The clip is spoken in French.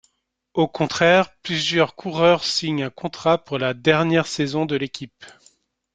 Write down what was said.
Au contraire, plusieurs coureurs signent un contrat pour la dernière saison de l'équipe.